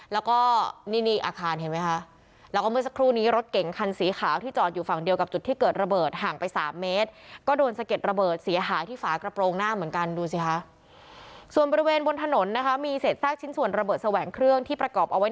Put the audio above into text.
แล้วก็นี่นี่อีกอาคารเห็นไหมค่ะแล้วก็เมื่อสักครู่นี้รถเก่งคันสีขาวที่จอดอยู่ฝั่งเดียวกับจุดที่เกิดระเบิดห่างไปสามเมตร